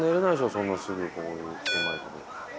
そんなすぐこういう狭いとこ。